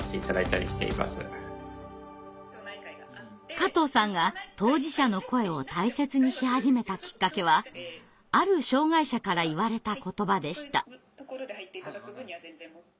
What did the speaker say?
加藤さんが当事者の声を大切にし始めたきっかけはある障害者から言われた言葉でした。